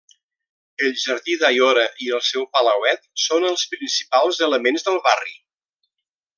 El jardí d'Aiora i el seu palauet són els principals elements del barri.